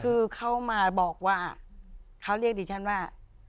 คือเขามาบอกว่าเขาเรียกดิฉันว่า